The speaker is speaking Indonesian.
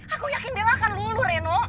aku yakin bella akan luluh rino